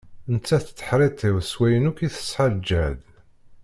Nettat tetteḥriṭṭiw s wayen akk i tesɛa n lǧehd.